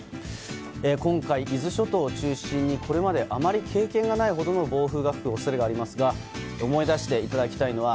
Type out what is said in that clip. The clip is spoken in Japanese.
今回、伊豆諸島を中心にこれまであまり経験がないほどの暴風が吹く恐れがありますが思い出していただきたいのが